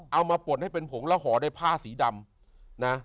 เอามาป่นให้เป็นผงแล้วห่อด้วยผ้าสีดำนะ